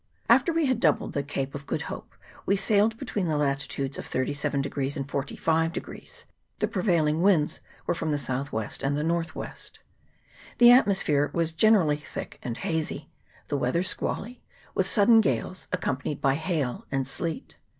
After we had doubled the Cape of Good Hope we sailed between the lati tudes of 37 and 45: the prevailing winds were from the south west and the north west. The at mosphere was generally thick and hazy, the wea ther squally, with sudden gales, accompanied by hail and sleet.